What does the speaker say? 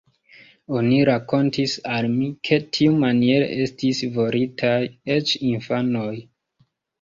Oni rakontis al mi, ke tiumaniere estis voritaj eĉ infanoj.